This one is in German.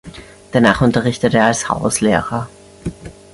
Danach unterrichtete er als Hauslehrer.